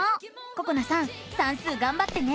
ここなさん算数がんばってね！